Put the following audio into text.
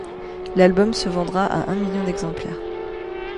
L'abum se vendra à un million d'exemplaires.